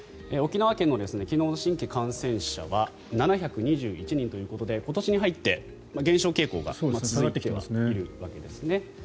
沖縄県の昨日の新規感染者は７２１人ということで今年に入って減少傾向が続いているわけですね。